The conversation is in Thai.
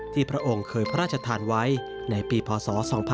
พระองค์เคยพระราชทานไว้ในปีพศ๒๕๕๘